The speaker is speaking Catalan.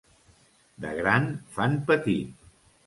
De gran fan petit.